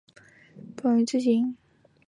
其余两份皆保存至今。